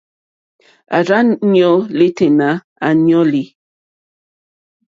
À rzá ɲɔ̄ yêténá à ɲɔ́lì.